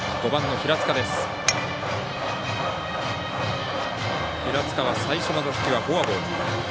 平塚は最初の打席、フォアボール。